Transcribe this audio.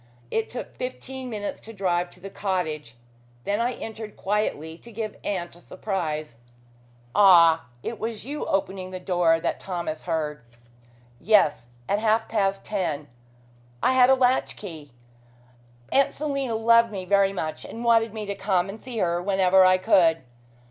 It took fifteen minutes to drive to the cottage. Then I entered quietly to give aunt a surprise." "Ah! It was you opening the door that Thomas heard." "Yes! At half past ten; I had a latch key. Aunt Selina loved me very much and wanted me to come and see her whenever I could.